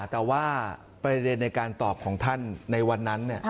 แต่ว่าประเด็นในการตอบของท่านในวันนั้น